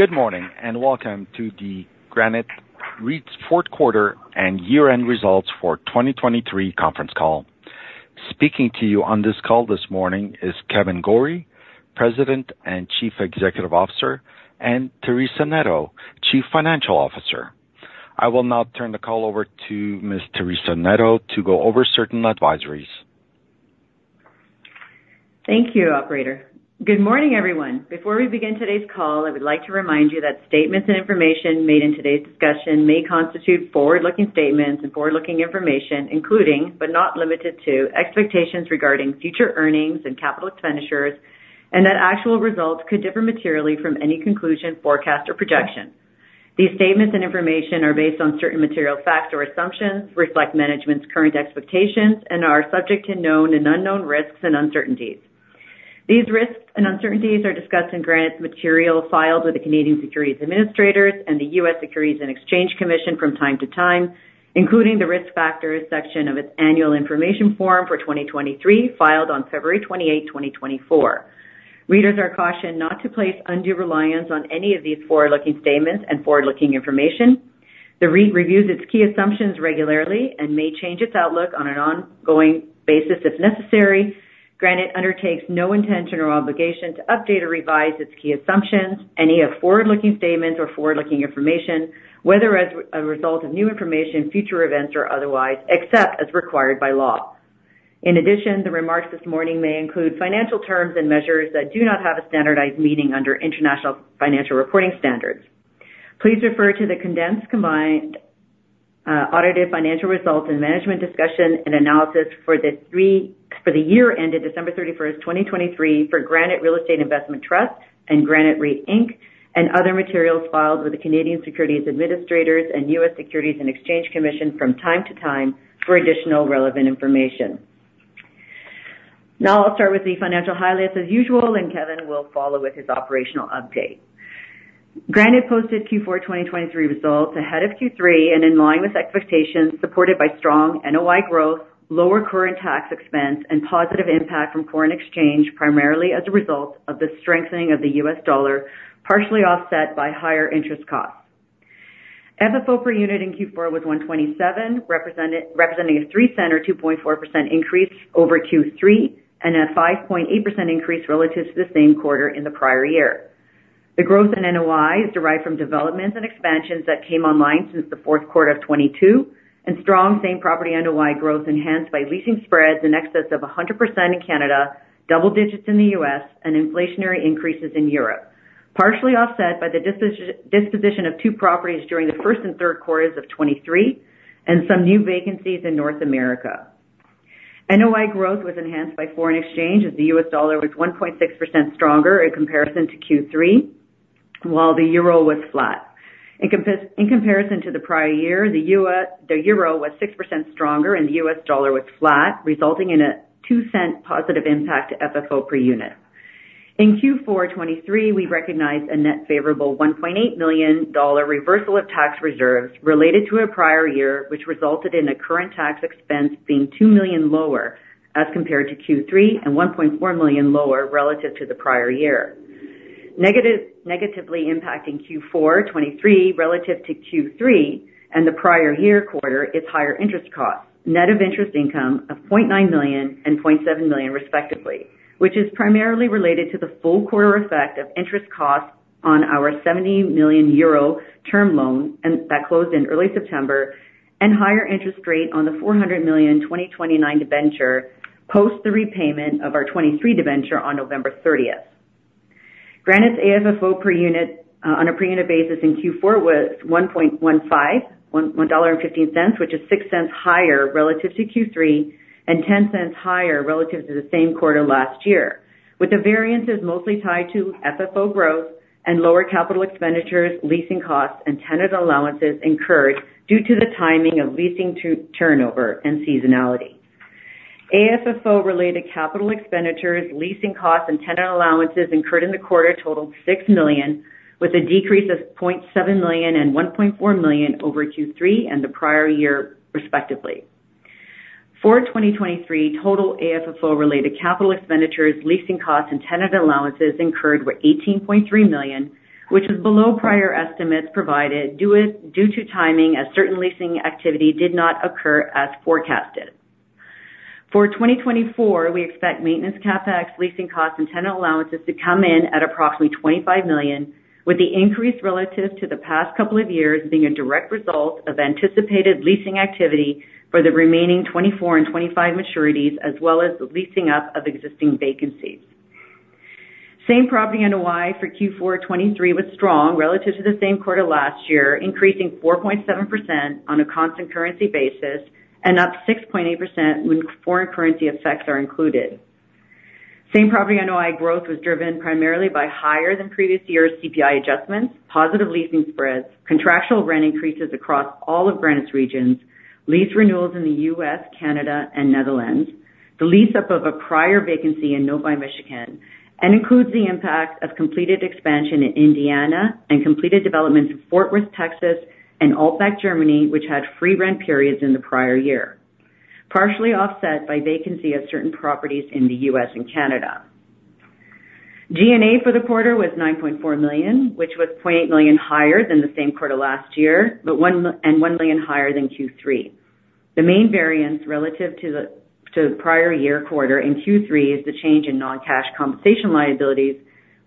Good morning and welcome to the Granite REIT's Fourth Quarter and Year-End Results for 2023 conference call. Speaking to you on this call this morning is Kevan Gorrie, President and Chief Executive Officer, and Teresa Neto, Chief Financial Officer. I will now turn the call over to Ms. Teresa Neto to go over certain advisories. Thank you, Operator. Good morning, everyone. Before we begin today's call, I would like to remind you that statements and information made in today's discussion may constitute forward-looking statements and forward-looking information, including but not limited to, expectations regarding future earnings and capital expenditures, and that actual results could differ materially from any conclusion, forecast, or projection. These statements and information are based on certain material facts or assumptions, reflect management's current expectations, and are subject to known and unknown risks and uncertainties. These risks and uncertainties are discussed in Granite's material filed with the Canadian Securities Administrators and the U.S. Securities and Exchange Commission from time to time, including the Risk Factors section of its Annual Information Form for 2023 filed on February 28, 2024. Readers are cautioned not to place undue reliance on any of these forward-looking statements and forward-looking information. The REIT reviews its key assumptions regularly and may change its outlook on an ongoing basis if necessary. Granite undertakes no intention or obligation to update or revise its key assumptions, any of forward-looking statements or forward-looking information, whether as a result of new information, future events, or otherwise, except as required by law. In addition, the remarks this morning may include financial terms and measures that do not have a standardized meaning under International Financial Reporting Standards. Please refer to the condensed combined audited financial results and Management Discussion and Analysis for the year ended December 31, 2023, for Granite Real Estate Investment Trust and Granite REIT Inc., and other materials filed with the Canadian Securities Administrators and U.S. Securities and Exchange Commission from time to time for additional relevant information. Now I'll start with the financial highlights as usual, and Kevan will follow with his operational update. Granite posted Q4 2023 results ahead of Q3 and in line with expectations supported by strong NOI growth, lower current tax expense, and positive impact from foreign exchange primarily as a result of the strengthening of the U.S. dollar, partially offset by higher interest costs. FFO per unit in Q4 was 1.27, representing a 0.03 or 2.4% increase over Q3 and a 5.8% increase relative to the same quarter in the prior year. The growth in NOI is derived from developments and expansions that came online since the fourth quarter of 2022, and strong same property NOI growth enhanced by leasing spreads in excess of 100% in Canada, double digits in the U.S., and inflationary increases in Europe, partially offset by the disposition of two properties during the first and third quarters of 2023 and some new vacancies in North America. NOI growth was enhanced by foreign exchange as the U.S. dollar was 1.6% stronger in comparison to Q3, while the euro was flat. In comparison to the prior year, the euro was 6% stronger and the U.S. dollar was flat, resulting in a $0.02 positive impact to FFO per unit. In Q4 2023, we recognized a net favorable $1.8 million reversal of tax reserves related to a prior year, which resulted in a current tax expense being $2 million lower as compared to Q3 and $1.4 million lower relative to the prior year. Negatively impacting Q4 2023 relative to Q3 and the prior year quarter is higher interest costs, net of interest income of 0.9 million and 0.7 million, respectively, which is primarily related to the full quarter effect of interest costs on our 70 million euro term loan that closed in early September and higher interest rate on the 400 million 2029 debenture post the repayment of our 2023 debenture on November 30th. Granite's AFFO per unit on a per unit basis in Q4 was 1.15, which is 0.06 higher relative to Q3 and 0.10 higher relative to the same quarter last year, with the variances mostly tied to FFO growth and lower capital expenditures, leasing costs, and tenant allowances incurred due to the timing of leasing turnover and seasonality. AFFO-related capital expenditures, leasing costs, and tenant allowances incurred in the quarter totaled $6 million, with a decrease of $0.7 million and $1.4 million over Q3 and the prior year, respectively. For 2023, total AFFO-related capital expenditures, leasing costs, and tenant allowances incurred were $18.3 million, which is below prior estimates provided due to timing as certain leasing activity did not occur as forecasted. For 2024, we expect maintenance CapEx, leasing costs, and tenant allowances to come in at approximately $25 million, with the increase relative to the past couple of years being a direct result of anticipated leasing activity for the remaining 2024 and 2025 maturities, as well as the leasing up of existing vacancies. Same property NOI for Q4 2023 was strong relative to the same quarter last year, increasing 4.7% on a constant currency basis and up 6.8% when foreign currency effects are included. Same property NOI growth was driven primarily by higher than previous year's CPI adjustments, positive leasing spreads, contractual rent increases across all of Granite's regions, lease renewals in the U.S., Canada, and Netherlands, the lease up of a prior vacancy in Novi, Michigan, and includes the impact of completed expansion in Indiana and completed developments in Fort Worth, Texas, and Altbach, Germany, which had free rent periods in the prior year, partially offset by vacancy of certain properties in the U.S. and Canada. G&A for the quarter was 9.4 million, which was 0.8 million higher than the same quarter last year and 1 million higher than Q3. The main variance relative to the prior year quarter in Q3 is the change in non-cash compensation liabilities,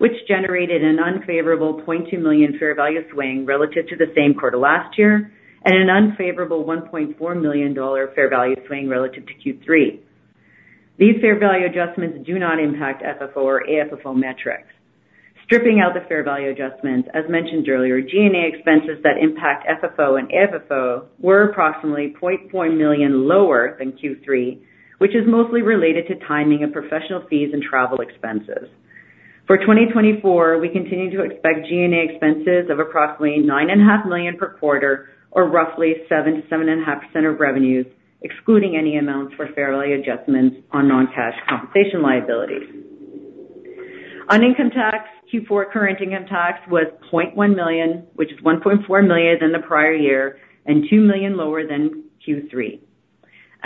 which generated an unfavorable 0.2 million fair value swing relative to the same quarter last year and an unfavorable 1.4 million dollar fair value swing relative to Q3. These fair value adjustments do not impact FFO or AFFO metrics. Stripping out the fair value adjustments, as mentioned earlier, G&A expenses that impact FFO and AFFO were approximately 0.4 million lower than Q3, which is mostly related to timing of professional fees and travel expenses. For 2024, we continue to expect G&A expenses of approximately 9.5 million per quarter or roughly 7%-7.5% of revenues, excluding any amounts for fair value adjustments on non-cash compensation liabilities. On income tax, Q4 current income tax was 0.1 million, which is 1.4 million than the prior year and 2 million lower than Q3.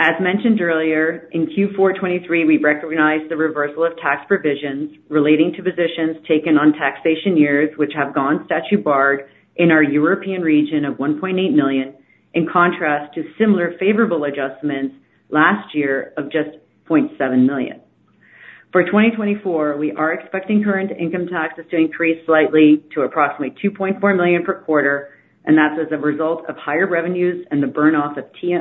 As mentioned earlier, in Q4 2023, we recognized the reversal of tax provisions relating to positions taken on taxation years which have gone statute-barred in our European region of 1.8 million, in contrast to similar favorable adjustments last year of just 0.7 million. For 2024, we are expecting current income taxes to increase slightly to approximately 2.4 million per quarter, and that's as a result of higher revenues and the burn-off of TI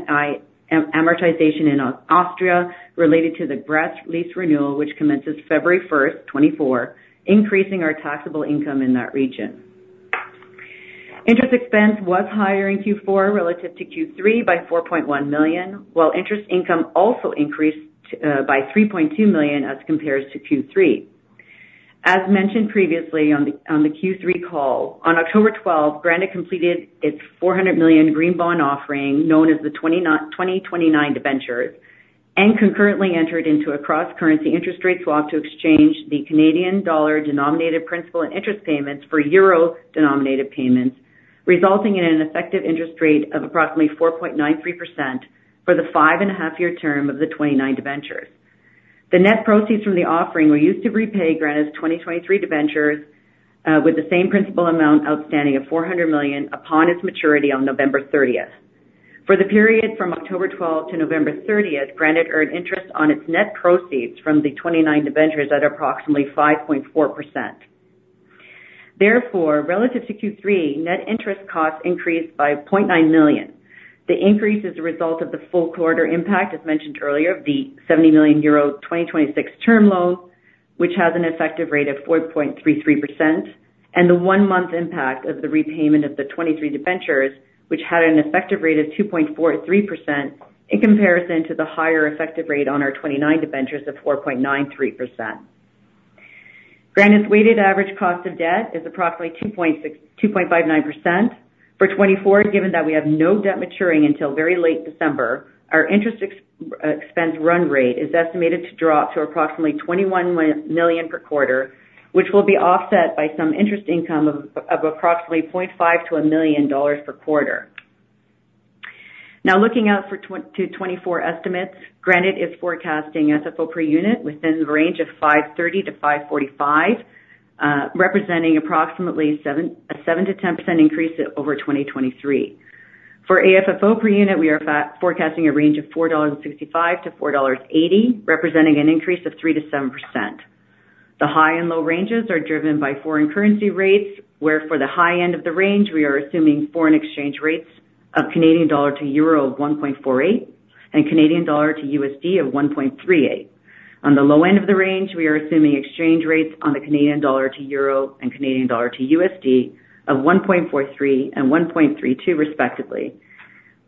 amortization in Austria related to the Graz lease renewal, which commences February 1, 2024, increasing our taxable income in that region. Interest expense was higher in Q4 relative to Q3 by 4.1 million, while interest income also increased by 3.2 million as compared to Q3. As mentioned previously on the Q3 call, on October 12, Granite completed its 400 million green bond offering known as the 2029 debentures and concurrently entered into a cross-currency interest rate swap to exchange the Canadian dollar denominated principal and interest payments for euro denominated payments, resulting in an effective interest rate of approximately 4.93% for the 5.5-year term of the '29 debentures. The net proceeds from the offering were used to repay Granite's 2023 debentures with the same principal amount outstanding of 400 million upon its maturity on November 30th. For the period from October 12 to November 30th, Granite earned interest on its net proceeds from the '29 debentures at approximately 5.4%. Therefore, relative to Q3, net interest costs increased by 0.9 million. The increase is a result of the full quarter impact, as mentioned earlier, of the 70 million euro 2026 term loan, which has an effective rate of 4.33%, and the one-month impact of the repayment of the 2023 debentures, which had an effective rate of 2.43% in comparison to the higher effective rate on our 2029 debentures of 4.93%. Granite's weighted average cost of debt is approximately 2.59%. For 2024, given that we have no debt maturing until very late December, our interest expense run rate is estimated to drop to approximately 21 million per quarter, which will be offset by some interest income of approximately 0.5 million-1 million dollars per quarter. Now, looking out to 2024 estimates, Granite is forecasting FFO per unit within the range of 5.30-5.45, representing approximately a 7%-10% increase over 2023. For AFFO per unit, we are forecasting a range of 4.65-4.80 dollars, representing an increase of 3%-7%. The high and low ranges are driven by foreign currency rates, where for the high end of the range, we are assuming foreign exchange rates of Canadian dollar to euro of 1.48 and Canadian dollar to USD of 1.38. On the low end of the range, we are assuming exchange rates on the Canadian dollar to euro and Canadian dollar to USD of 1.43 and 1.32, respectively.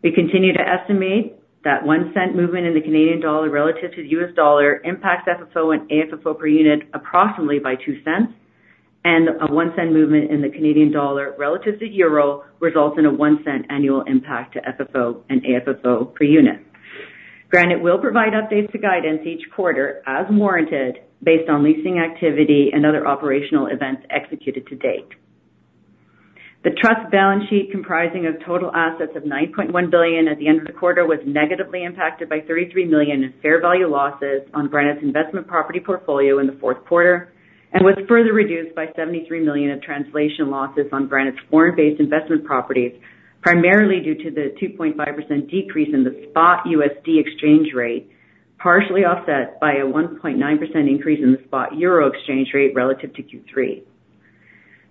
We continue to estimate that 1-cent movement in the Canadian dollar relative to the U.S. dollar impacts FFO and AFFO per unit approximately by 2 cents, and a 1-cent movement in the Canadian dollar relative to euro results in a 1-cent annual impact to FFO and AFFO per unit. Granite will provide updates to guidance each quarter, as warranted, based on leasing activity and other operational events executed to date. The trust balance sheet comprising of total assets of 9.1 billion at the end of the quarter was negatively impacted by 33 million in fair value losses on Granite's investment property portfolio in the fourth quarter and was further reduced by 73 million in translation losses on Granite's foreign-based investment properties, primarily due to the 2.5% decrease in the spot USD exchange rate, partially offset by a 1.9% increase in the spot Euro exchange rate relative to Q3.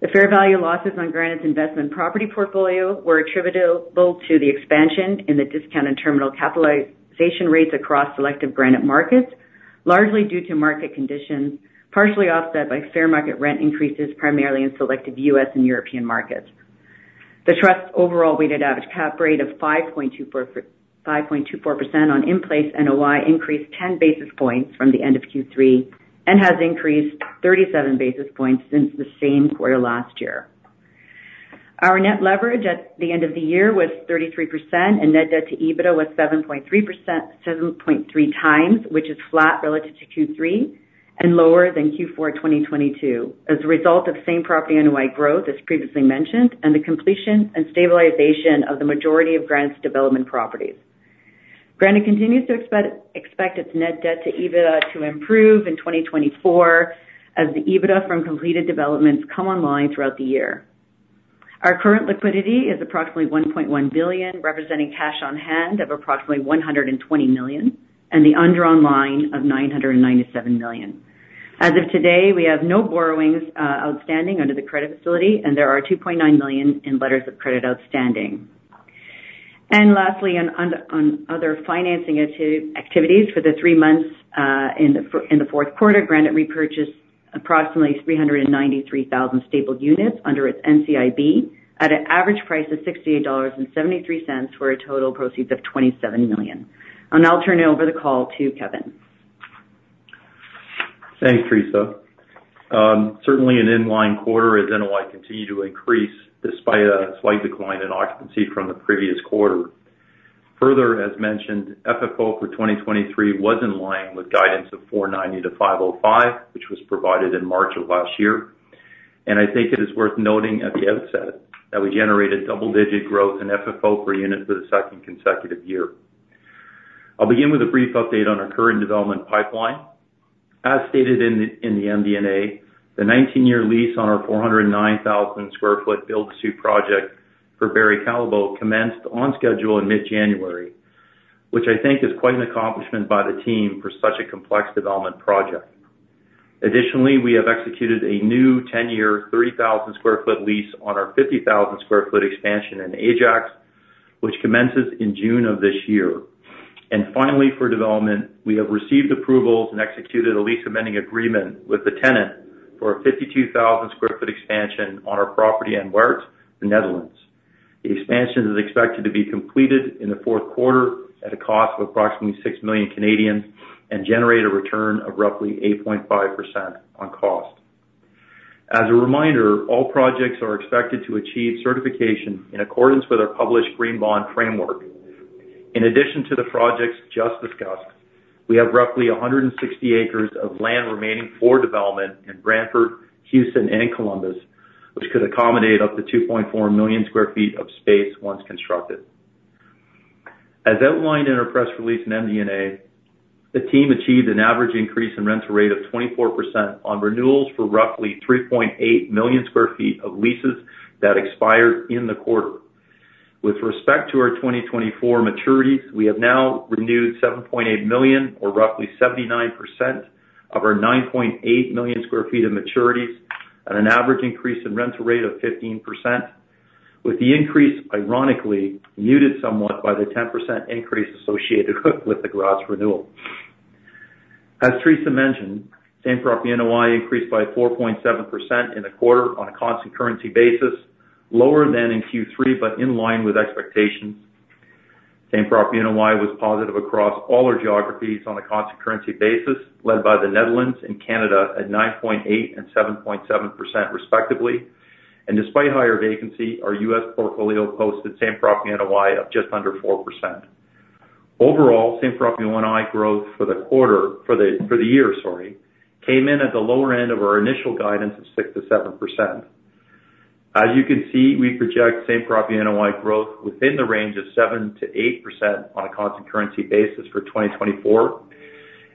The fair value losses on Granite's investment property portfolio were attributable to the expansion in the discount and terminal capitalization rates across selective Granite markets, largely due to market conditions, partially offset by fair market rent increases primarily in selective U.S. and European markets. The trust's overall weighted average cap rate of 5.24% on in-place NOI increased 10 basis points from the end of Q3 and has increased 37 basis points since the same quarter last year. Our net leverage at the end of the year was 33%, and net debt to EBITDA was 7.3 times, which is flat relative to Q3 and lower than Q4 2022 as a result of same property NOI growth, as previously mentioned, and the completion and stabilization of the majority of Granite's development properties. Granite continues to expect its net debt to EBITDA to improve in 2024 as the EBITDA from completed developments come online throughout the year. Our current liquidity is approximately 1.1 billion, representing cash on hand of approximately 120 million and the undrawn line of 997 million. As of today, we have no borrowings outstanding under the credit facility, and there are $2.9 million in letters of credit outstanding. Lastly, on other financing activities for the three months in the fourth quarter, Granite repurchased approximately 393,000 stapled units under its NCIB at an average price of $68.73 for a total proceeds of $27 million. I'll turn over the call to Kevan. Thanks, Teresa. Certainly, an in-line quarter as NOI continued to increase despite a slight decline in occupancy from the previous quarter. Further, as mentioned, FFO for 2023 was in line with guidance of 490-505, which was provided in March of last year. I think it is worth noting at the outset that we generated double-digit growth in FFO per unit for the second consecutive year. I'll begin with a brief update on our current development pipeline. As stated in the MD&A, the 19-year lease on our 409,000 sq ft build-to-suit project for Barry Callebaut commenced on schedule in mid-January, which I think is quite an accomplishment by the team for such a complex development project. Additionally, we have executed a new 10-year 3,000 sq ft lease on our 50,000 sq ft expansion in Ajax, which commences in June of this year. Finally, for development, we have received approvals and executed a lease amending agreement with the tenant for a 52,000 sq ft expansion on our property in Weesp, the Netherlands. The expansion is expected to be completed in the fourth quarter at a cost of approximately 6 million Canadian dollars and generate a return of roughly 8.5% on cost. As a reminder, all projects are expected to achieve certification in accordance with our published Green Bond Framework. In addition to the projects just discussed, we have roughly 160 acres of land remaining for development in Brantford, Houston, and Columbus, which could accommodate up to 2.4 million sq ft of space once constructed. As outlined in our press release and MD&A, the team achieved an average increase in rental rate of 24% on renewals for roughly 3.8 million sq ft of leases that expired in the quarter. With respect to our 2024 maturities, we have now renewed 7.8 million, or roughly 79%, of our 9.8 million sq ft of maturities at an average increase in rental rate of 15%, with the increase, ironically, muted somewhat by the 10% increase associated with the Graz renewal. As Teresa mentioned, same property NOI increased by 4.7% in the quarter on a constant currency basis, lower than in Q3 but in line with expectations. Same property NOI was positive across all our geographies on a constant currency basis, led by the Netherlands and Canada at 9.8% and 7.7%, respectively. Despite higher vacancy, our U.S. portfolio posted same property NOI of just under 4%. Overall, same property NOI growth for the quarter for the year, sorry, came in at the lower end of our initial guidance of 6%-7%. As you can see, we project same property NOI growth within the range of 7%-8% on a constant currency basis for 2024,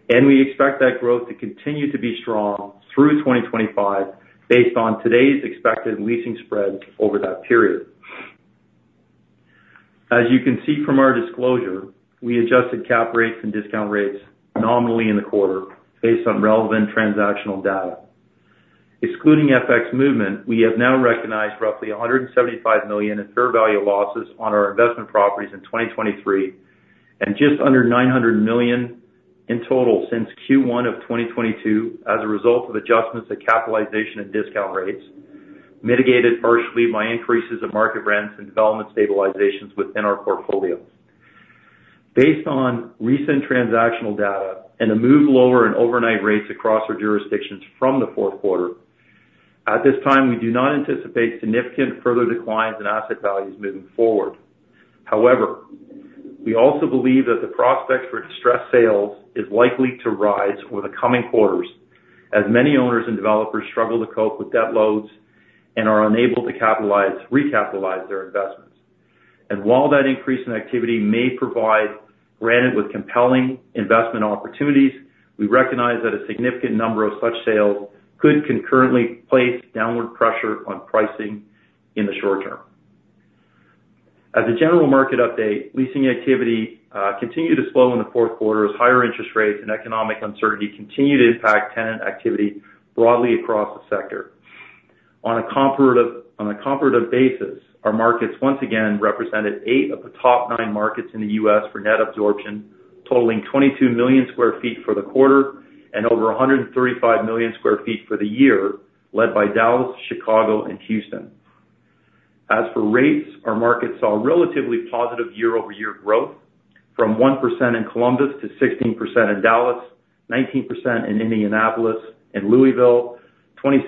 and we expect that growth to continue to be strong through 2025 based on today's expected leasing spreads over that period. As you can see from our disclosure, we adjusted cap rates and discount rates nominally in the quarter based on relevant transactional data. Excluding FX movement, we have now recognized roughly 175 million in fair value losses on our investment properties in 2023 and just under 900 million in total since Q1 of 2022 as a result of adjustments to capitalization and discount rates, mitigated partially by increases of market rents and development stabilizations within our portfolio. Based on recent transactional data and a move lower in overnight rates across our jurisdictions from the fourth quarter, at this time, we do not anticipate significant further declines in asset values moving forward. However, we also believe that the prospects for distressed sales is likely to rise over the coming quarters as many owners and developers struggle to cope with debt loads and are unable to recapitalize their investments. And while that increase in activity may provide Granite with compelling investment opportunities, we recognize that a significant number of such sales could concurrently place downward pressure on pricing in the short term. As a general market update, leasing activity continued to slow in the fourth quarter as higher interest rates and economic uncertainty continued to impact tenant activity broadly across the sector. On a comparative basis, our markets once again represented eight of the top nine markets in the U.S. for net absorption, totaling 22 million sq ft for the quarter and over 135 million sq ft for the year, led by Dallas, Chicago, and Houston. As for rates, our markets saw relatively positive year-over-year growth from 1% in Columbus to 16% in Dallas, 19% in Indianapolis and Louisville, 26%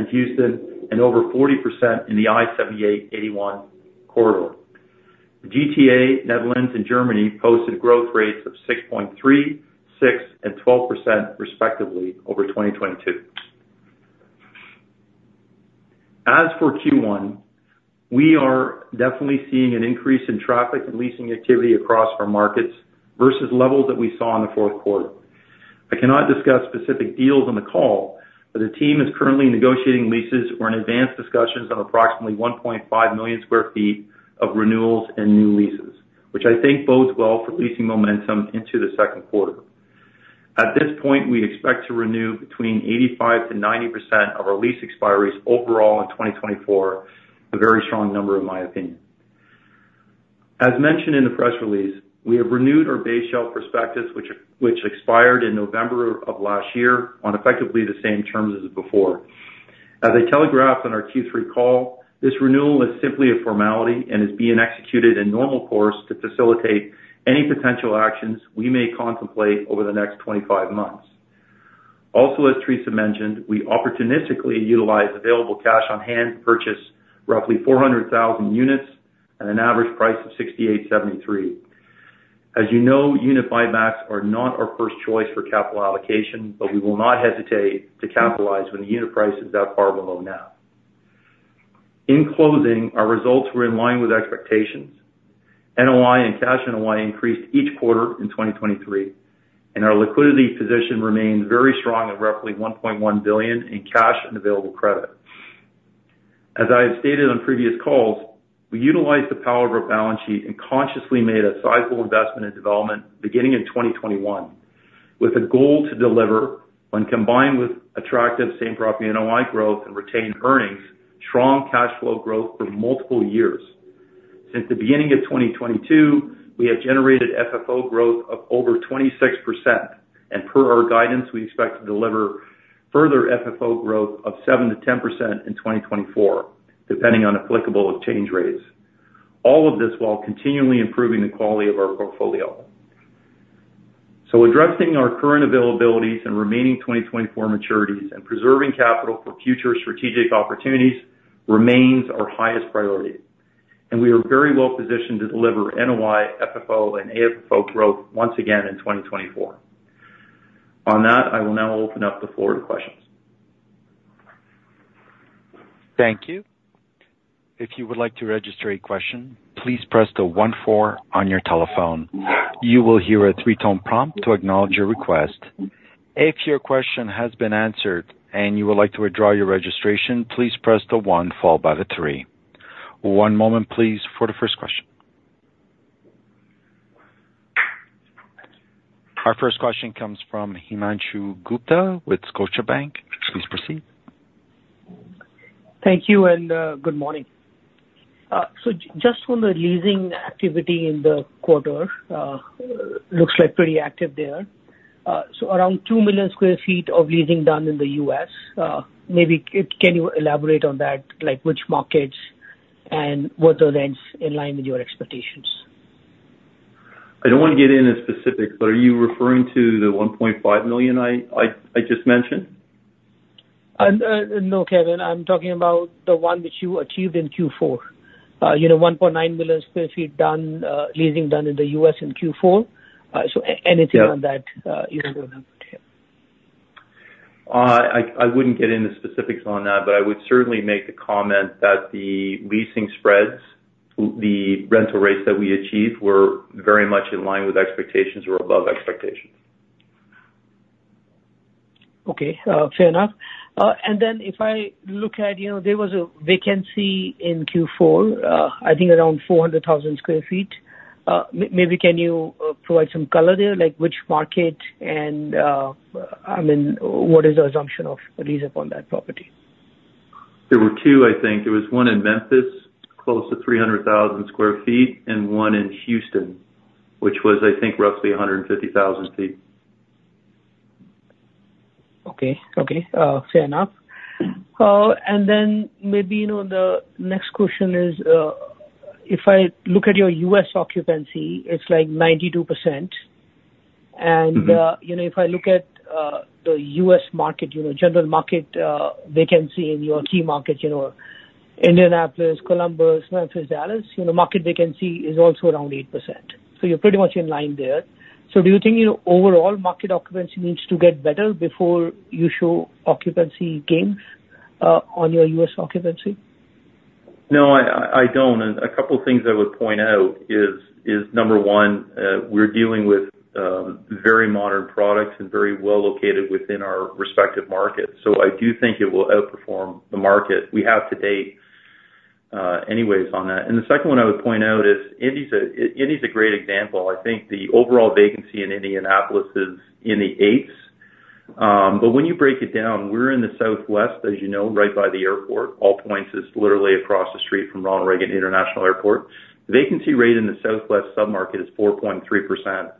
in Houston, and over 40% in the I-78/I-81 Corridor. The GTA, Netherlands, and Germany posted growth rates of 6.3%, 6%, and 12%, respectively, over 2022. As for Q1, we are definitely seeing an increase in traffic and leasing activity across our markets versus levels that we saw in the fourth quarter. I cannot discuss specific deals on the call, but the team is currently negotiating leases or in advanced discussions on approximately 1.5 million sq ft of renewals and new leases, which I think bodes well for leasing momentum into the second quarter. At this point, we expect to renew between 85%-90% of our lease expiries overall in 2024, a very strong number, in my opinion. As mentioned in the press release, we have renewed our Base Shelf Prospectus, which expired in November of last year on effectively the same terms as before. As I telegraphed on our Q3 call, this renewal is simply a formality and is being executed in normal course to facilitate any potential actions we may contemplate over the next 25 months. Also, as Teresa mentioned, we opportunistically utilized available cash on hand to purchase roughly 400,000 units at an average price of 68.73. As you know, unit buybacks are not our first choice for capital allocation, but we will not hesitate to capitalize when the unit price is that far below now. In closing, our results were in line with expectations. NOI and cash NOI increased each quarter in 2023, and our liquidity position remained very strong at roughly 1.1 billion in cash and available credit. As I have stated on previous calls, we utilized the power of our balance sheet and consciously made a sizable investment in development beginning in 2021 with a goal to deliver, when combined with attractive same property NOI growth and retained earnings, strong cash flow growth for multiple years. Since the beginning of 2022, we have generated FFO growth of over 26%, and per our guidance, we expect to deliver further FFO growth of 7%-10% in 2024, depending on applicable exchange rates, all of this while continually improving the quality of our portfolio. So addressing our current availabilities and remaining 2024 maturities and preserving capital for future strategic opportunities remains our highest priority, and we are very well positioned to deliver NOI, FFO, and AFFO growth once again in 2024. On that, I will now open up the floor to questions. Thank you. If you would like to register a question, please press the one-four on your telephone. You will hear a three-tone prompt to acknowledge your request. If your question has been answered and you would like to withdraw your registration, please press the one followed by the three. One moment, please, for the first question. Our first question comes from Himanshu Gupta with Scotiabank. Please proceed. Thank you and good morning. So just on the leasing activity in the quarter, looks like pretty active there. So around 2 million sq ft of leasing done in the U.S. Maybe can you elaborate on that, which markets and whether that's in line with your expectations? I don't want to get into specifics, but are you referring to the 1.5 million I just mentioned? No, Kevan. I'm talking about the one which you achieved in Q4, 1.9 million sq ft done leasing done in the U.S. in Q4. So anything on that, you can go ahead. I wouldn't get into specifics on that, but I would certainly make the comment that the leasing spreads, the rental rates that we achieved, were very much in line with expectations or above expectations. Okay. Fair enough. And then if I look at, there was a vacancy in Q4, I think around 400,000 sq ft. Maybe can you provide some color there, which market and I mean, what is the assumption of lease-up on that property? There were two, I think. There was one in Memphis close to 300,000 sq ft and one in Houston, which was, I think, roughly 150,000 sq ft. Okay. Okay. Fair enough. And then maybe the next question is if I look at your U.S. occupancy, it's like 92%. And if I look at the U.S. market, general market vacancy in your key market, Indianapolis, Columbus, Memphis, Dallas, market vacancy is also around 8%. So you're pretty much in line there. So do you think overall market occupancy needs to get better before you show occupancy gains on your U.S. occupancy? No, I don't. And a couple of things I would point out is, number one, we're dealing with very modern products and very well located within our respective markets. So I do think it will outperform the market we have to date anyways on that. And the second one I would point out is Indy's a great example. I think the overall vacancy in Indianapolis is in the 8s. But when you break it down, we're in the southwest, as you know, right by the airport. AllPoints is literally across the street from Ronald Reagan International Airport. The vacancy rate in the southwest submarket is 4.3%.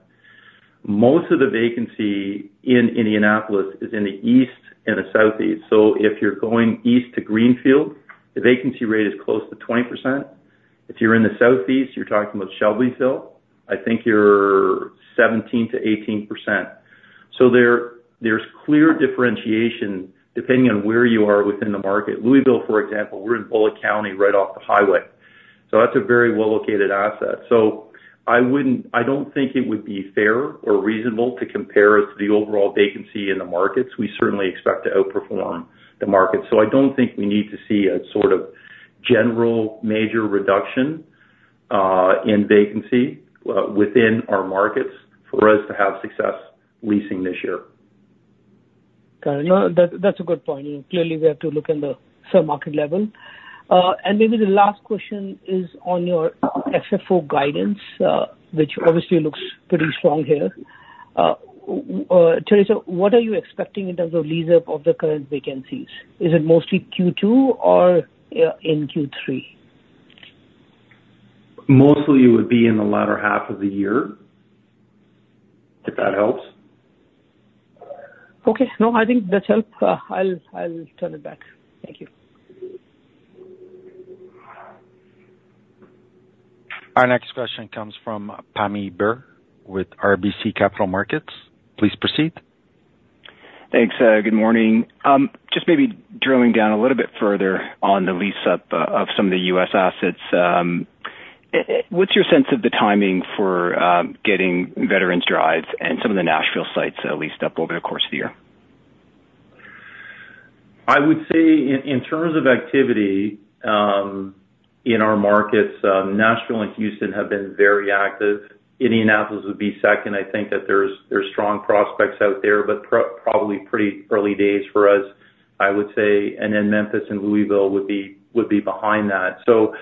Most of the vacancy in Indianapolis is in the east and the southeast. So if you're going east to Greenfield, the vacancy rate is close to 20%. If you're in the southeast, you're talking about Shelbyville, I think you're 17%-18%. So there's clear differentiation depending on where you are within the market. Louisville, for example, we're in Bullitt County right off the highway. So that's a very well-located asset. So I don't think it would be fair or reasonable to compare us to the overall vacancy in the markets. We certainly expect to outperform the markets. So I don't think we need to see a sort of general major reduction in vacancy within our markets for us to have success leasing this year. Got it. No, that's a good point. Clearly, we have to look at the submarket level. Maybe the last question is on your FFO guidance, which obviously looks pretty strong here. Teresa, what are you expecting in terms of lease up of the current vacancies? Is it mostly Q2 or in Q3? Mostly, you would be in the latter half of the year, if that helps. Okay. No, I think that's helpful. I'll turn it back. Thank you. Our next question comes from Pammi Bir with RBC Capital Markets. Please proceed. Thanks. Good morning. Just maybe drilling down a little bit further on the lease up of some of the U.S. assets, what's your sense of the timing for getting Veterans Drive and some of the Nashville sites leased up over the course of the year? I would say in terms of activity in our markets, Nashville and Houston have been very active. Indianapolis would be second. I think that there's strong prospects out there, but probably pretty early days for us, I would say. And then Memphis and Louisville would be behind that. So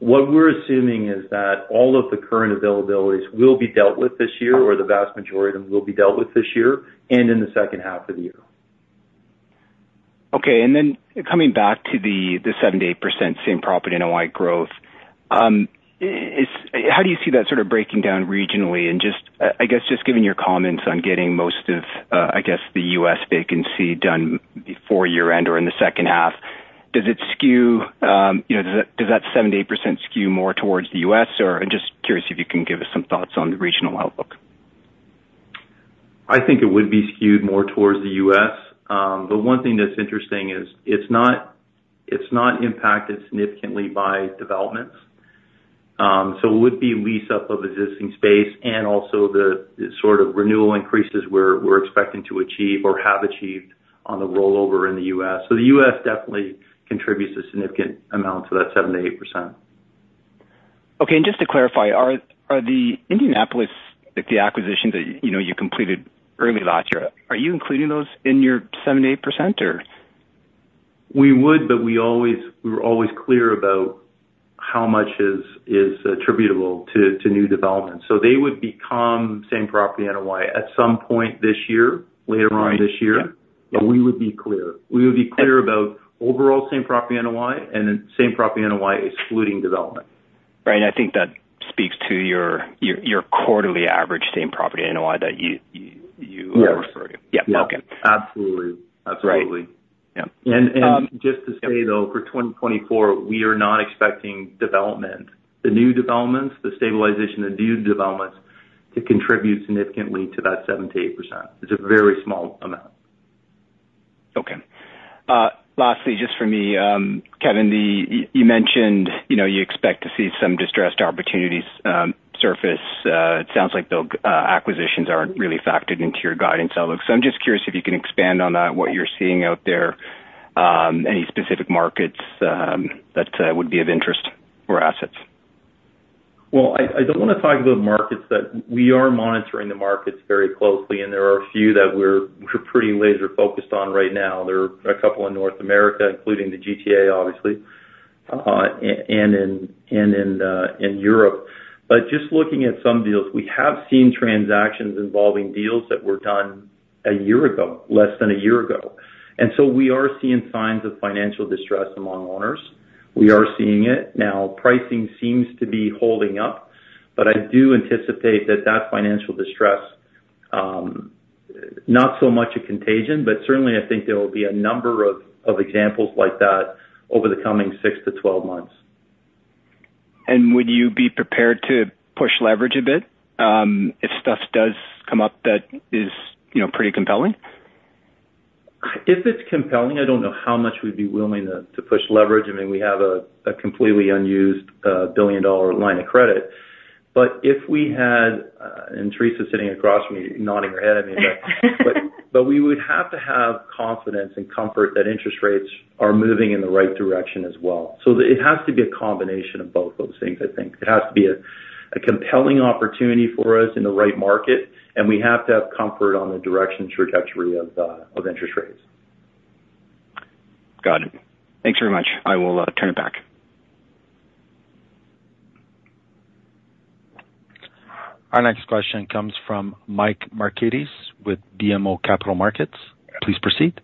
what we're assuming is that all of the current availabilities will be dealt with this year, or the vast majority of them will be dealt with this year and in the second half of the year. Okay. And then coming back to the 78% same property NOI growth, how do you see that sort of breaking down regionally? And I guess just giving your comments on getting most of, I guess, the U.S. vacancy done before year-end or in the second half, does that 78% skew more towards the U.S.? Just curious if you can give us some thoughts on the regional outlook. I think it would be skewed more towards the U.S. But one thing that's interesting is it's not impacted significantly by developments. So it would be lease up of existing space and also the sort of renewal increases we're expecting to achieve or have achieved on the rollover in the U.S. So the U.S. definitely contributes a significant amount to that 78%. Okay. And just to clarify, are the Indianapolis. The acquisitions that you completed early last year, are you including those in your 78%, or? We would, but we were always clear about how much is attributable to new developments. So they would become same property NOI at some point this year, later on this year. But we would be clear. We would be clear about overall same property NOI and same property NOI excluding development. Right. And I think that speaks to your quarterly average same property NOI that you refer to. Okay. Yeah. Absolutely. Absolutely. Yeah. And just to say, though, for 2024, we are not expecting development, the new developments, the stabilization of new developments, to contribute significantly to that 78%. It's a very small amount. Okay. Lastly, just for me, Kevan, you mentioned you expect to see some distressed opportunities surface. It sounds like those acquisitions aren't really factored into your guidance outlook. So I'm just curious if you can expand on that, what you're seeing out there, any specific markets that would be of interest for assets? Well, I don't want to talk about markets that we are monitoring the markets very closely, and there are a few that we're pretty laser-focused on right now. There are a couple in North America, including the GTA, obviously, and in Europe. But just looking at some deals, we have seen transactions involving deals that were done a year ago, less than a year ago. And so we are seeing signs of financial distress among owners. We are seeing it. Now, pricing seems to be holding up, but I do anticipate that that financial distress, not so much a contagion, but certainly, I think there will be a number of examples like that over the coming six-12 months. And would you be prepared to push leverage a bit if stuff does come up that is pretty compelling? If it's compelling, I don't know how much we'd be willing to push leverage. I mean, we have a completely unused billion-dollar line of credit. But if we had and Teresa's sitting across from me, nodding her head, I mean, but we would have to have confidence and comfort that interest rates are moving in the right direction as well. So it has to be a combination of both those things, I think. It has to be a compelling opportunity for us in the right market, and we have to have comfort on the direction trajectory of interest rates. Got it. Thanks very much. I will turn it back. Our next question comes from Mike Markidis with BMO Capital Markets. Please proceed.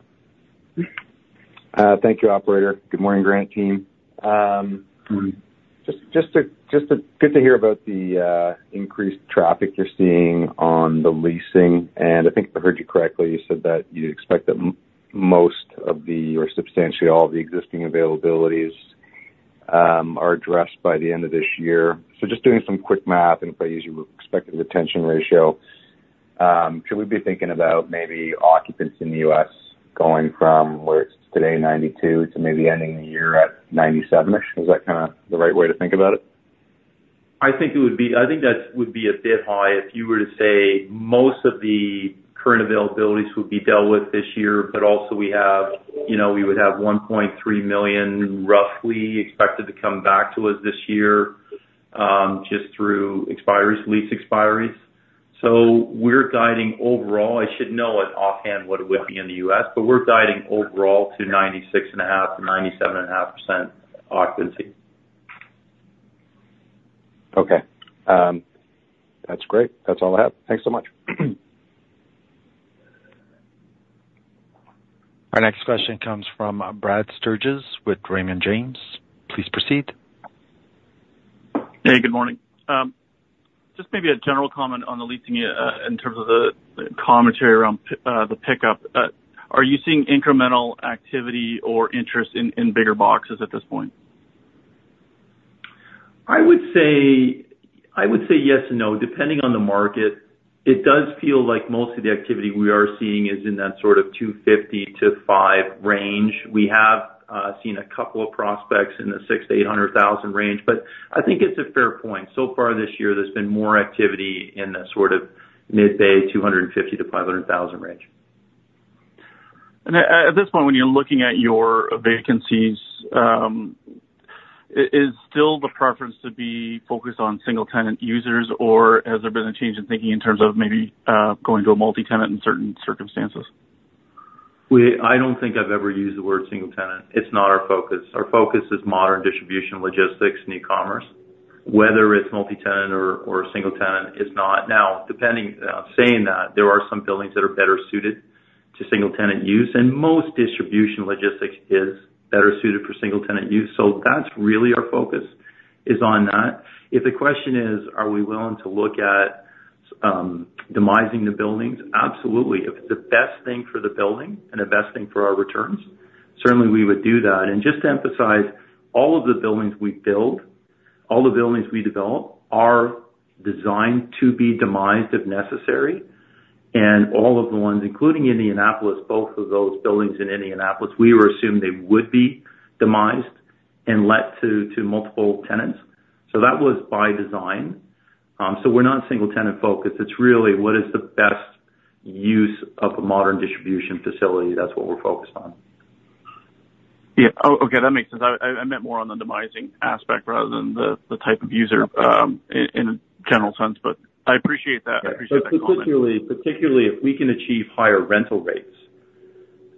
Thank you, operator. Good morning, Granite team. Good to hear about the increased traffic you're seeing on the leasing. And I think I heard you correctly. You said that you expect that most of the or substantially all of the existing availabilities are addressed by the end of this year. So just doing some quick math and if I use your expected retention ratio, should we be thinking about maybe occupancy in the U.S. going from where it's today, 92%, to maybe ending the year at 97%-ish? Is that kind of the right way to think about it? I think that would be a bit high if you were to say most of the current availabilities would be dealt with this year. But also, we would have 1.3 million roughly expected to come back to us this year just through lease expiries. So we're guiding overall. I should know it offhand what it would be in the U.S., but we're guiding overall to 96.5%-97.5% occupancy. Okay. That's great. That's all I have. Thanks so much. Our next question comes from Brad Sturges with Raymond James. Please proceed. Hey. Good morning. Just maybe a general comment on the leasing in terms of the commentary around the pickup. Are you seeing incremental activity or interest in bigger boxes at this point? I would say yes and no. Depending on the market, it does feel like most of the activity we are seeing is in that sort of 250,000-500,000 range. We have seen a couple of prospects in the 600,000-800,000 range, but I think it's a fair point. So far this year, there's been more activity in the sort of mid-bay, 250,000-500,000 range. And at this point, when you're looking at your vacancies, is still the preference to be focused on single-tenant users, or has there been a change in thinking in terms of maybe going to a multi-tenant in certain circumstances? I don't think I've ever used the word single-tenant. It's not our focus. Our focus is modern distribution logistics and e-commerce. Whether it's multi-tenant or single-tenant, it's not. Now, saying that, there are some buildings that are better suited to single-tenant use, and most distribution logistics is better suited for single-tenant use. So that's really our focus, is on that. If the question is, are we willing to look at demising the buildings? Absolutely. If it's the best thing for the building and the best thing for our returns, certainly, we would do that. Just to emphasize, all of the buildings we build, all the buildings we develop are designed to be demised if necessary. All of the ones, including Indianapolis, both of those buildings in Indianapolis, we were assumed they would be demised and let to multiple tenants. That was by design. We're not single-tenant focused. It's really, what is the best use of a modern distribution facility? That's what we're focused on. Yeah. Okay. That makes sense. I meant more on the demising aspect rather than the type of user in a general sense. I appreciate that. I appreciate that comment. Particularly if we can achieve higher rental rates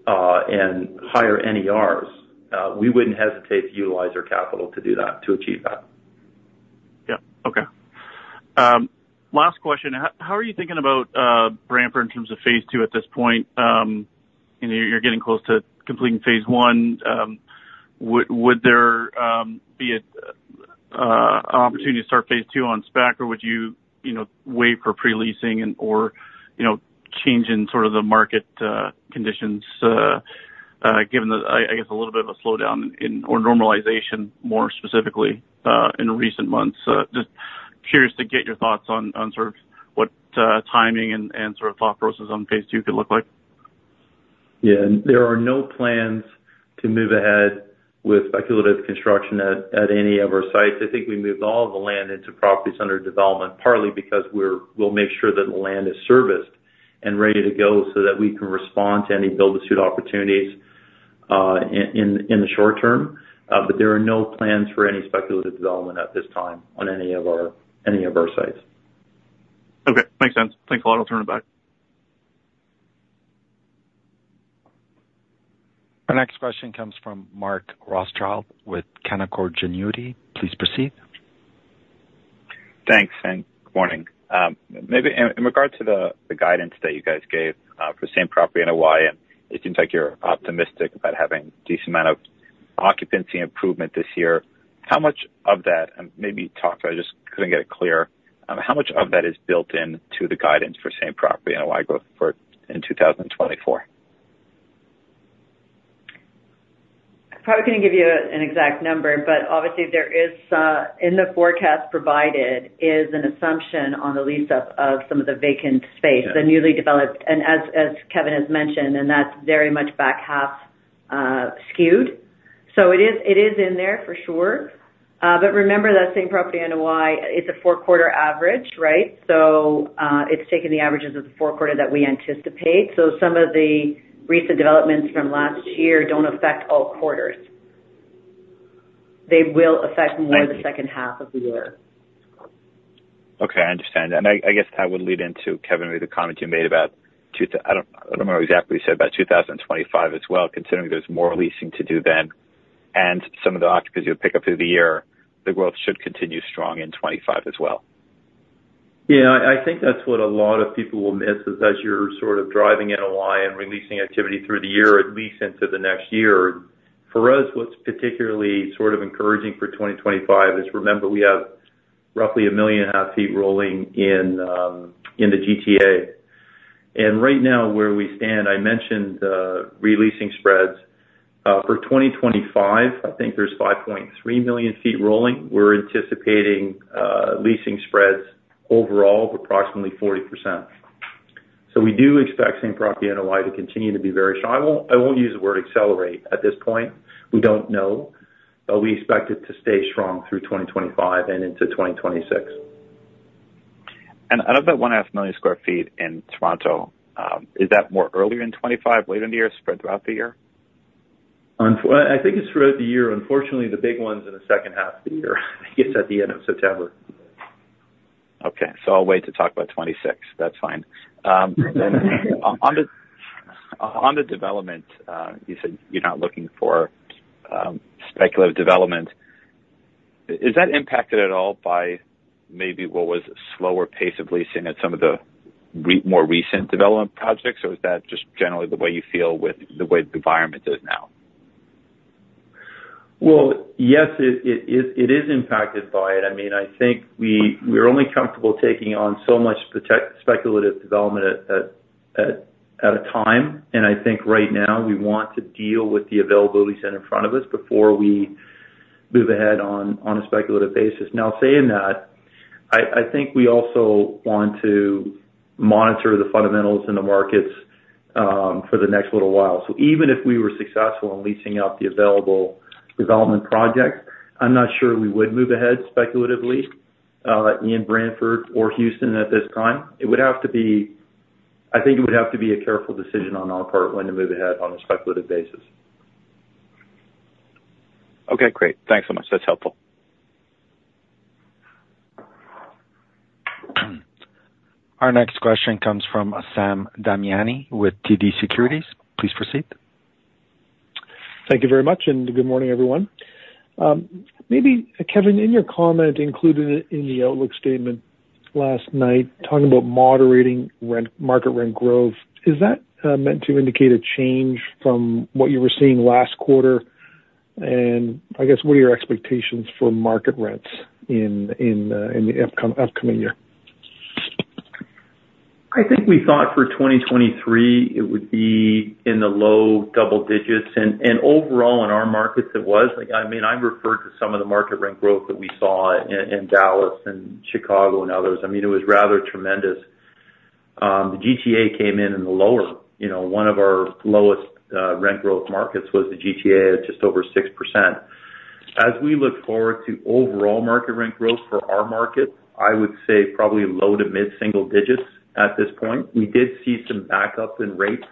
and higher NERs, we wouldn't hesitate to utilize our capital to achieve that. Yeah. Okay. Last question. How are you thinking about Brampton in terms of phase two at this point? You're getting close to completing phase one. Would there be an opportunity to start phase two on spec, or would you wait for pre-leasing or change in sort of the market conditions given the, I guess, a little bit of a slowdown or normalization, more specifically, in recent months? Just curious to get your thoughts on sort of what timing and sort of thought process on phase two could look like. Yeah. There are no plans to move ahead with speculative construction at any of our sites. I think we moved all of the land into properties under development, partly because we'll make sure that the land is serviced and ready to go so that we can respond to any build-to-suit opportunities in the short term. But there are no plans for any speculative development at this time on any of our sites. Okay. Makes sense. Thanks a lot. I'll turn it back. Our next question comes from Mark Rothschild with Canaccord Genuity. Please proceed. Thanks. And good morning. In regard to the guidance that you guys gave for same property NOI, and it seems like you're optimistic about having a decent amount of occupancy improvement this year, how much of that and maybe talk about I just couldn't get it clear. How much of that is built into the guidance for same property NOI growth in 2024? I'm probably going to give you an exact number, but obviously, in the forecast provided is an assumption on the lease up of some of the vacant space, the newly developed and as Kevan has mentioned, and that's very much back half skewed. So it is in there, for sure. But remember that same property NOI, it's a four-quarter average, right? So it's taken the averages of the four quarters that we anticipate. So some of the recent developments from last year don't affect all quarters. They will affect more the second half of the year. Okay. I understand. And I guess that would lead into, Kevan, maybe the comment you made about, I don't remember exactly what you said about 2025 as well, considering there's more leasing to do then and some of the occupancy pickup through the year, the growth should continue strong in 2025 as well. Yeah. I think that's what a lot of people will miss is as you're sort of driving NOI and releasing activity through the year, at least into the next year. For us, what's particularly sort of encouraging for 2025 is remember, we have roughly 1.5 million sq ft rolling in the GTA. And right now, where we stand, I mentioned leasing spreads. For 2025, I think there's 5.3 million sq ft rolling. We're anticipating leasing spreads overall of approximately 40%. So we do expect same property NOI to continue to be very strong. I won't use the word accelerate at this point. We don't know, but we expect it to stay strong through 2025 and into 2026. And out of that 1.5 million sq ft in Toronto, is that more earlier in 2025, later in the year, spread throughout the year? I think it's throughout the year. Unfortunately, the big one's in the second half of the year. I think it's at the end of September. Okay. So I'll wait to talk about 2026. That's fine. On the development, you said you're not looking for speculative development. Is that impacted at all by maybe what was a slower pace of leasing at some of the more recent development projects, or is that just generally the way you feel with the way the environment is now? Well, yes, it is impacted by it. I mean, I think we're only comfortable taking on so much speculative development at a time. And I think right now, we want to deal with the availabilities that are in front of us before we move ahead on a speculative basis. Now, saying that, I think we also want to monitor the fundamentals in the markets for the next little while. So even if we were successful in leasing out the available development projects, I'm not sure we would move ahead speculatively in Brampton or Houston at this time. It would have to be, I think, a careful decision on our part when to move ahead on a speculative basis. Okay. Great. Thanks so much. That's helpful. Our next question comes from Sam Damiani with TD Securities. Please proceed. Thank you very much, and good morning, everyone. Maybe, Kevan, in your comment included in the outlook statement last night talking about moderating market rent growth, is that meant to indicate a change from what you were seeing last quarter? And I guess, what are your expectations for market rents in the upcoming year? I think we thought for 2023, it would be in the low double digits. And overall, in our markets, it was. I mean, I referred to some of the market rent growth that we saw in Dallas and Chicago and others. I mean, it was rather tremendous. The GTA came in in the lower. One of our lowest rent growth markets was the GTA at just over 6%. As we look forward to overall market rent growth for our market, I would say probably low to mid-single digits at this point. We did see some backup in rates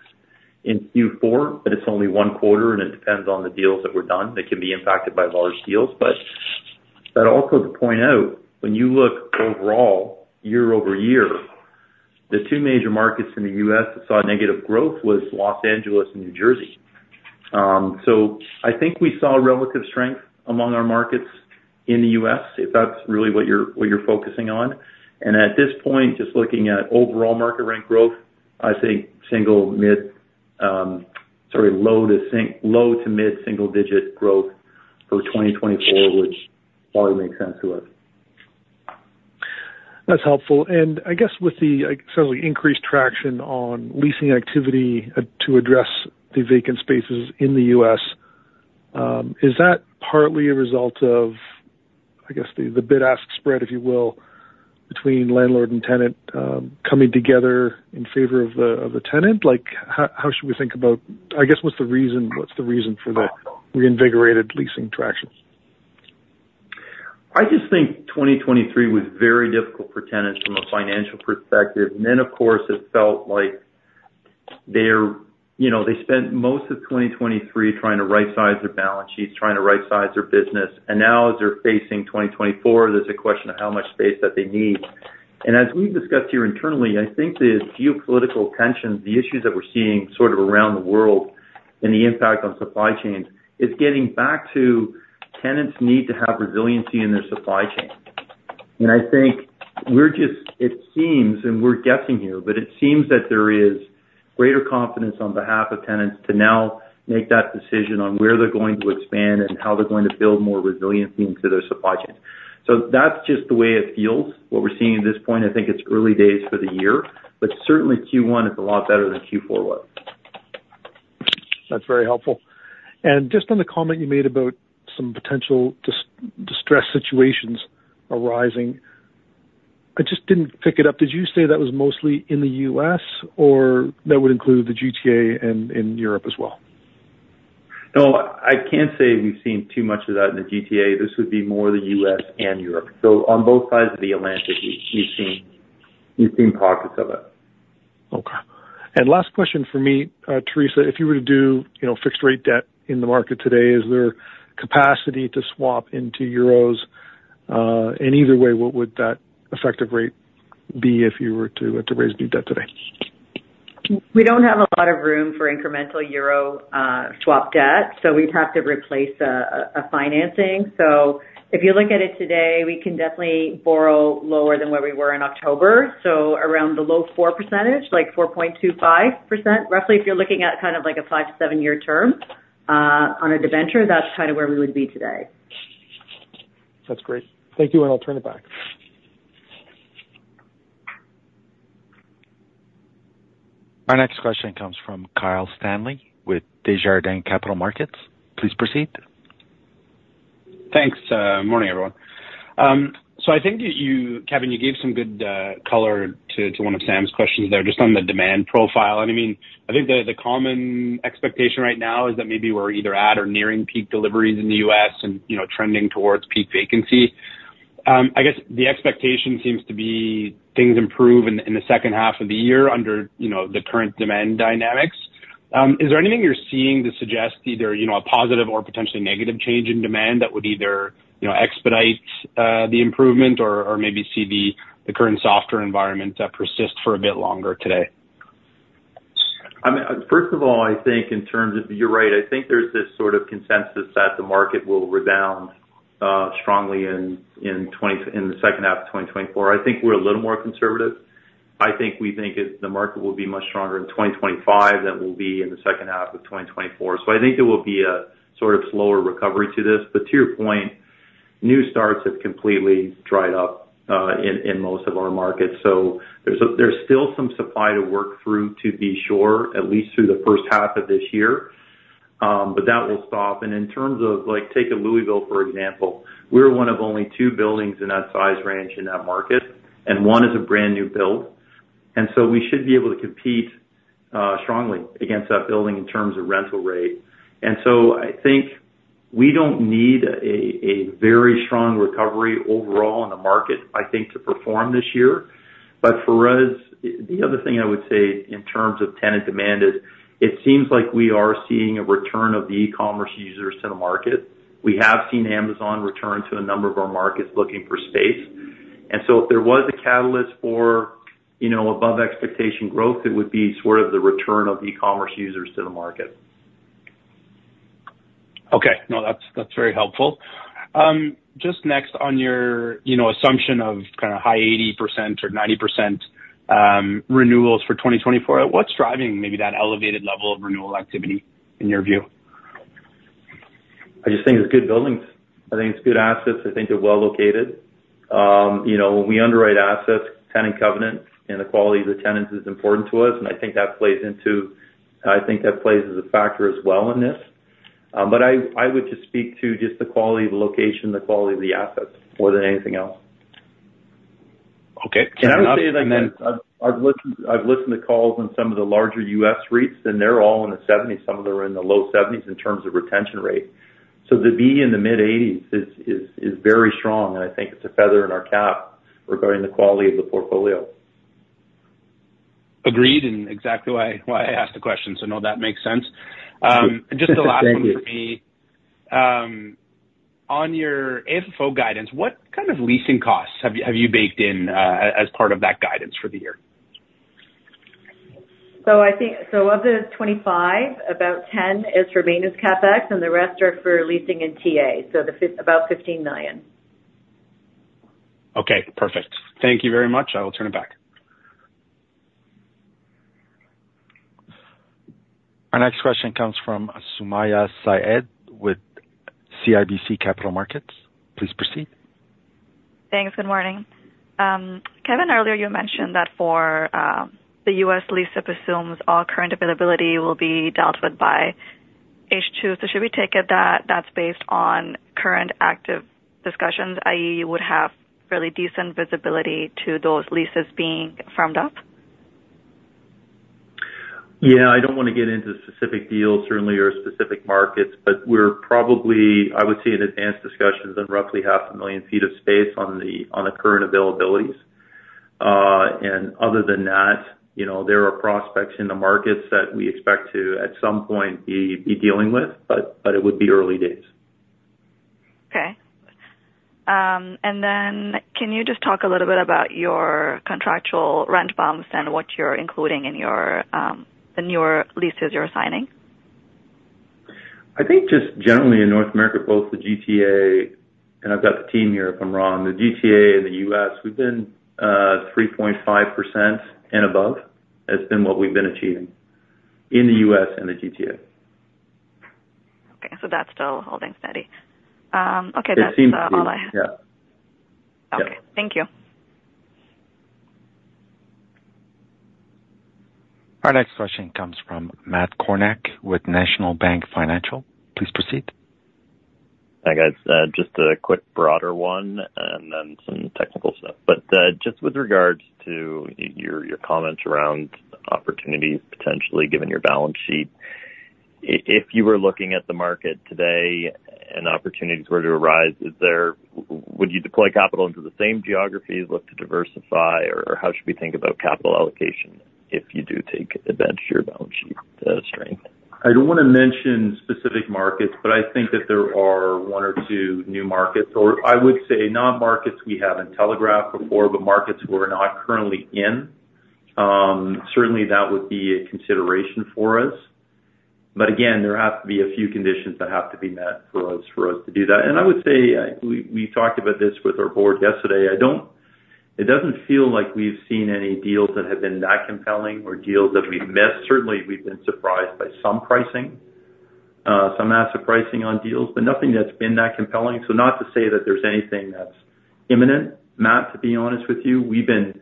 in Q4, but it's only one quarter, and it depends on the deals that were done. It can be impacted by large deals. But also, to point out, when you look overall, year-over-year, the two major markets in the U.S. that saw negative growth was Los Angeles and New Jersey. So I think we saw relative strength among our markets in the U.S., if that's really what you're focusing on. At this point, just looking at overall market rent growth, I think single-mid, sorry, low- to mid-single-digit growth for 2024 would probably make sense to us. That's helpful. And I guess with the, it sounds like increased traction on leasing activity to address the vacant spaces in the U.S., is that partly a result of, I guess, the bid-ask spread, if you will, between landlord and tenant coming together in favor of the tenant? How should we think about, I guess, what's the reason? What's the reason for the reinvigorated leasing traction? I just think 2023 was very difficult for tenants from a financial perspective. And then, of course, it felt like they spent most of 2023 trying to right-size their balance sheets, trying to right-size their business. And now, as they're facing 2024, there's a question of how much space that they need. As we've discussed here internally, I think the geopolitical tensions, the issues that we're seeing sort of around the world, and the impact on supply chains is getting back to tenants need to have resiliency in their supply chain. I think we're just it seems, and we're guessing here, but it seems that there is greater confidence on behalf of tenants to now make that decision on where they're going to expand and how they're going to build more resiliency into their supply chains. That's just the way it feels, what we're seeing at this point. I think it's early days for the year, but certainly, Q1 is a lot better than Q4 was. That's very helpful. Just on the comment you made about some potential distress situations arising, I just didn't pick it up. Did you say that was mostly in the U.S., or that would include the GTA in Europe as well? No, I can't say we've seen too much of that in the GTA. This would be more the U.S. and Europe. So on both sides of the Atlantic, we've seen pockets of it. Okay. And last question for me, Teresa. If you were to do fixed-rate debt in the market today, is there capacity to swap into euros? And either way, what would that effective rate be if you were to raise new debt today? We don't have a lot of room for incremental euro-swap debt, so we'd have to replace financing. So if you look at it today, we can definitely borrow lower than where we were in October, so around the low 4%, like 4.25%, roughly, if you're looking at kind of like a 5-7-year term on a debenture, that's kind of where we would be today. That's great. Thank you, and I'll turn it back. Our next question comes from Kyle Stanley with Desjardins Capital Markets. Please proceed. Thanks. Good morning, everyone. So I think, Kevin, you gave some good color to one of Sam's questions there just on the demand profile. And I mean, I think the common expectation right now is that maybe we're either at or nearing peak deliveries in the U.S. and trending towards peak vacancy. I guess the expectation seems to be things improve in the second half of the year under the current demand dynamics. Is there anything you're seeing to suggest either a positive or potentially negative change in demand that would either expedite the improvement or maybe see the current softer environment persist for a bit longer today? I mean, first of all, I think in terms of, you're right. I think there's this sort of consensus that the market will rebound strongly in the second half of 2024. I think we're a little more conservative. I think we think the market will be much stronger in 2025 than it will be in the second half of 2024. So I think there will be a sort of slower recovery to this. But to your point, new starts have completely dried up in most of our markets. So there's still some supply to work through to be sure, at least through the first half of this year, but that will stop. And in terms of take Louisville, for example. We're one of only two buildings in that size range in that market, and one is a brand new build. And so we should be able to compete strongly against that building in terms of rental rate. And so I think we don't need a very strong recovery overall in the market, I think, to perform this year. But for us, the other thing I would say in terms of tenant demand is it seems like we are seeing a return of the e-commerce users to the market. We have seen Amazon return to a number of our markets looking for space. And so if there was a catalyst for above-expectation growth, it would be sort of the return of e-commerce users to the market. Okay. No, that's very helpful. Just next, on your assumption of kind of high 80% or 90% renewals for 2024, what's driving maybe that elevated level of renewal activity in your view? I just think it's good buildings. I think it's good assets. I think they're well-located. When we underwrite assets, tenant covenant and the quality of the tenants is important to us. And I think that plays into I think that plays as a factor as well in this. But I would just speak to just the quality of the location, the quality of the assets more than anything else. Okay. And I would say that I've listened to calls on some of the larger U.S. REITs, and they're all in the 70s. Some of them are in the low 70s in terms of retention rate. So to be in the mid-80s is very strong, and I think it's a feather in our cap regarding the quality of the portfolio. Agreed, and exactly why I asked the question. So no, that makes sense. And just the last one for me. Thank you. On your AFFO guidance, what kind of leasing costs have you baked in as part of that guidance for the year? So of the 25, about 10 is for maintenance CapEx, and the rest are for leasing and TA, so about 15 million. Okay. Perfect. Thank you very much. I will turn it back. Our next question comes from Sumayya Syed with CIBC Capital Markets. Please proceed. Thanks. Good morning. Kevan, earlier, you mentioned that for the U.S. lease, it presumes all current availability will be dealt with by H2. So should we take it that that's based on current active discussions, i.e., you would have fairly decent visibility to those leases being firmed up? Yeah. I don't want to get into specific deals, certainly, or specific markets, but we're probably I would say in advanced discussions on roughly 500,000 sq ft of space on the current availabilities. And other than that, there are prospects in the markets that we expect to at some point be dealing with, but it would be early days. Okay. And then can you just talk a little bit about your contractual rent bumps and what you're including in the newer leases you're signing? I think just generally, in North America, both the GTA and I've got the team here, if I'm wrong. The GTA in the U.S., we've been 3.5% and above has been what we've been achieving in the U.S. and the GTA. Okay. So that's still holding steady. Okay. That's all I have. It seems to be. Yeah. Okay. Thank you. Our next question comes from Matt Kornack with National Bank Financial. Please proceed. Hi, guys. Just a quick broader one and then some technical stuff. But just with regards to your comments around opportunities, potentially, given your balance sheet, if you were looking at the market today and opportunities were to arise, would you deploy capital into the same geographies, look to diversify, or how should we think about capital allocation if you do take advantage of your balance sheet strength? I don't want to mention specific markets, but I think that there are one or two new markets, or I would say not markets we haven't telegraphed before, but markets we're not currently in. Certainly, that would be a consideration for us. But again, there have to be a few conditions that have to be met for us to do that. And I would say we talked about this with our board yesterday. It doesn't feel like we've seen any deals that have been that compelling or deals that we've missed. Certainly, we've been surprised by some pricing, some asset pricing on deals, but nothing that's been that compelling. So not to say that there's anything that's imminent, Matt, to be honest with you. We've been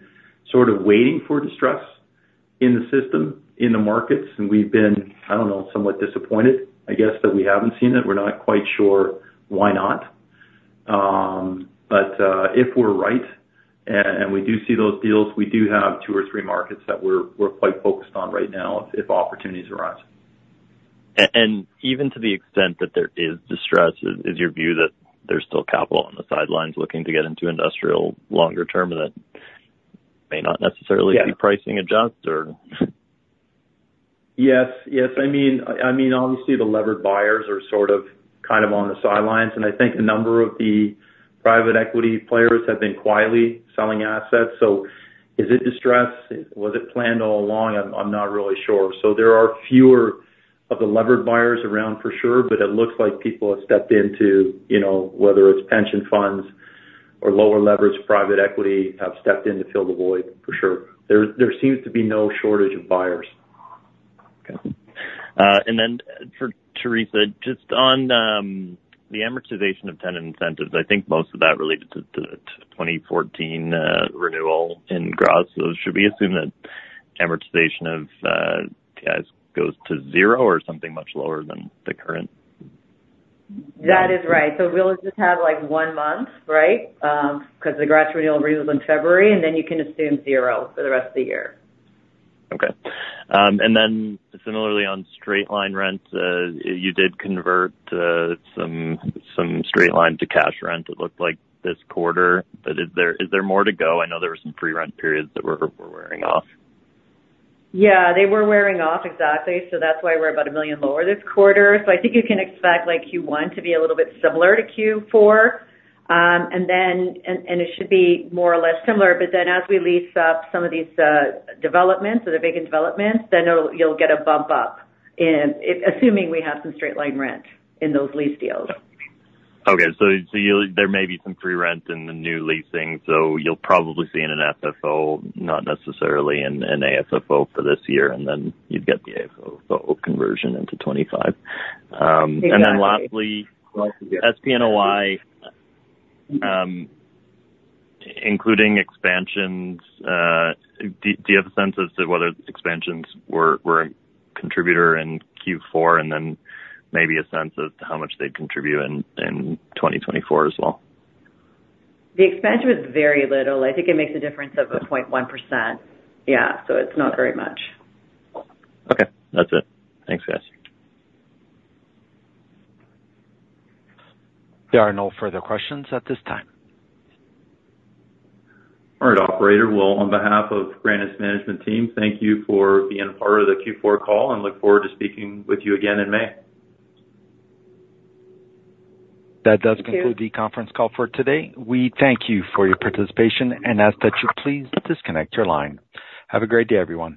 sort of waiting for distress in the system, in the markets, and we've been, I don't know, somewhat disappointed, I guess, that we haven't seen it. We're not quite sure why not. But if we're right and we do see those deals, we do have two or three markets that we're quite focused on right now if opportunities arise. Even to the extent that there is distress, is your view that there's still capital on the sidelines looking to get into industrial longer term and that may not necessarily be pricing adjust, or? Yes. Yes. I mean, obviously, the levered buyers are sort of kind of on the sidelines. And I think a number of the private equity players have been quietly selling assets. So is it distress? Was it planned all along? I'm not really sure. So there are fewer of the levered buyers around for sure, but it looks like people have stepped into, whether it's pension funds or lower-leveraged private equity, have stepped in to fill the void, for sure. There seems to be no shortage of buyers. Okay. And then, Teresa, just on the amortization of tenant incentives, I think most of that related to the 2014 renewal in Graz. So should we assume that amortization of TIs goes to zero or something much lower than the current? That is right. So we'll just have one month, right, because the Graz renewal's in February, and then you can assume zero for the rest of the year. Okay. And then similarly, on straight-line rent, you did convert some straight-line to cash rent, it looked like, this quarter. But is there more to go? I know there were some free rent periods that were wearing off. Yeah. They were wearing off, exactly. So that's why we're about 1 million lower this quarter. So I think you can expect Q1 to be a little bit similar to Q4, and it should be more or less similar. But then as we lease up some of these developments, so the vacant developments, then you'll get a bump up, assuming we have some straight-line rent in those lease deals. Okay. So there may be some free rent in the new leasing, so you'll probably see a NOI, not necessarily an AFFO, for this year, and then you'd get the AFFO conversion into 2025. And then lastly, SP NOI, including expansions, do you have a sense as to whether expansions were a contributor in Q4 and then maybe a sense as to how much they'd contribute in 2024 as well? The expansion was very little. I think it makes a difference of 0.1%. Yeah. So it's not very much. Okay. That's it. Thanks, guys. There are no further questions at this time. All right operator. We, on behalf of Granite's management team, thank you for being part of the Q4 call and look forward to speaking with you again in May. That does conclude the conference call for today. We thank you for your participation, and ask that you please disconnect your line. Have a great day, everyone.